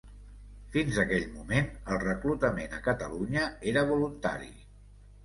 Fins aquell moment el reclutament a Catalunya era voluntari.